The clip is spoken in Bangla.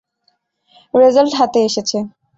রেজাল্ট হাতে এসেছে!